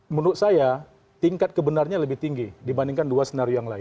menurut saya tingkat kebenarnya lebih tinggi dibandingkan dua senario yang lain